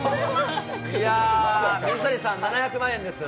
いやぁ、水谷さん、７００万円です。